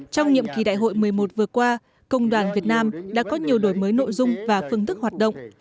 trong nhiệm kỳ đại hội một mươi một vừa qua công đoàn việt nam đã có nhiều đổi mới nội dung và phương thức hoạt động